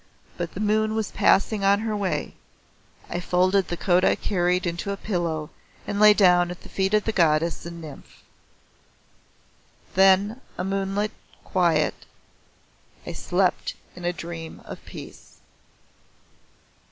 But the moon was passing on her way I folded the coat I carried into a pillow and lay down at the feet of the goddess and her nymph. Then a moonlit quiet I slept in a dream of peace.